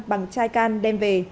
bằng chai can đem về